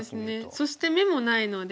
そして眼もないので。